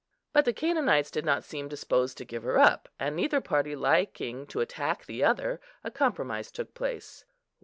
But the Canaanites did not seem disposed to give her up, and neither party liking to attack the other, a compromise took place.